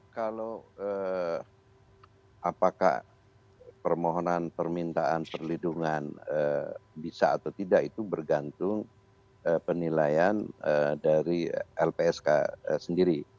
kalau apakah permohonan permintaan perlindungan bisa atau tidak itu bergantung penilaian dari lpsk sendiri